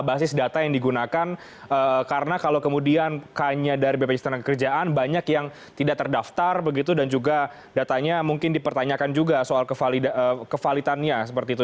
basis data yang digunakan karena kalau kemudian kayaknya dari bpjs tenaga kerjaan banyak yang tidak terdaftar begitu dan juga datanya mungkin dipertanyakan juga soal kevalitannya seperti itu